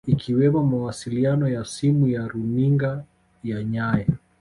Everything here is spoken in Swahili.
Ikiwemo mawasiliano ya simu na runinga ya nyaya